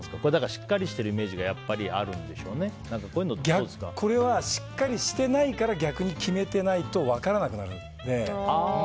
しっかりしてるイメージがこれはしっかりしてないから逆に決めてないと分からなくなるので。